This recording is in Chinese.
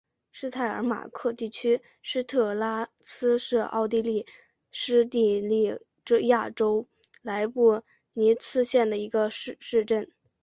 施泰尔马克地区施特拉斯是奥地利施蒂利亚州莱布尼茨县的一个市镇。